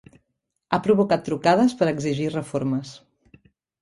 Ha provocat trucades per exigir reformes.